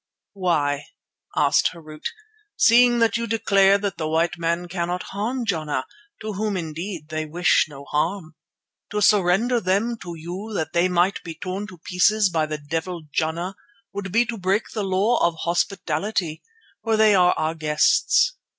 "Why?" asked Harût, "seeing that you declare that the white men cannot harm Jana, to whom indeed they wish no harm. To surrender them to you that they may be torn to pieces by the devil Jana would be to break the law of hospitality, for they are our guests.